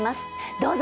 どうぞ。